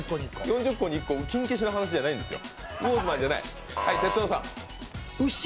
４０個に１個、キン消しじゃないんですよ。